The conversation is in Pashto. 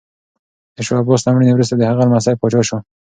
د شاه عباس له مړینې وروسته د هغه لمسی پاچا شو.